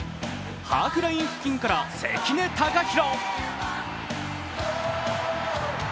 ハーフライン付近から関根貴大。